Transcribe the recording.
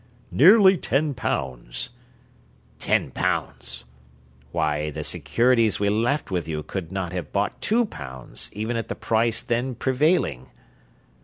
"Nearly ten pounds...." "Ten pounds! Why, the securities we left with you could not have bought two pounds, even at the price then prevailing!"